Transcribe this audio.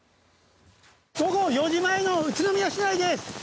午後４時前の宇都宮市内です。